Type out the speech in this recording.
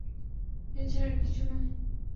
এছাড়া আর কিছু নয়।